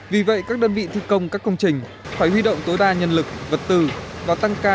vì vậy các đơn vị thi công các công trình phải huy động tối đa nhân lực vật tư và tăng ca